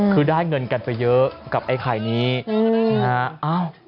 คือได้เงินกันไปเยอะกับไอ้ไข่นี้นะฮะ